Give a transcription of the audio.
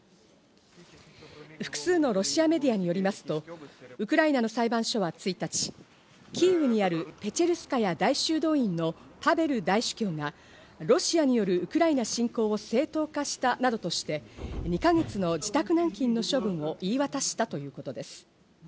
複数のロシアメディアによりますと、ウクライナの裁判所は１日、キーウにあるペチェルスカヤ大修道院のパベル大主教がロシアによるウクライナ侵攻を正当化したなどとして、２ヶ月の自宅軟禁の処分を言い渡したということです。